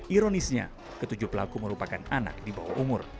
ironisnya ketujuh pelaku merupakan anak di bawah umur